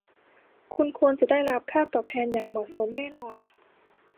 คุณควรจะได้รับค่าตอบแทนอย่างเหมาะสม แน่นอน